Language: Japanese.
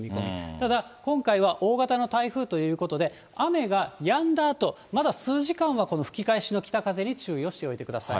ただ今回は大型の台風ということで、雨がやんだあと、まだ数時間はこの吹き返しの北風に注意をしておいてください。